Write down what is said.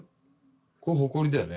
これホコリだよね